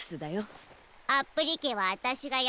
アップリケはあたしがやったの。